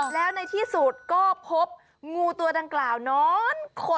แล้วในที่สุดก็พบงูตัวดังกล่าวนอนคด